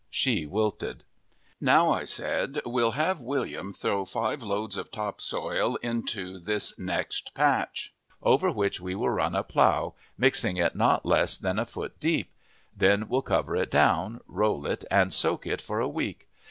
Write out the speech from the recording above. She wilted. "Now," I said, "we'll have William throw five loads of top soil into this next patch, over which we will run a plough, mixing it not less than a foot deep. Then we'll cover it down, roll it and soak it for a week.